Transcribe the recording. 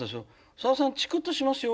「さださんチクッとしますよ」。